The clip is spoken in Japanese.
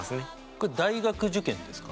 これ大学受験ですか？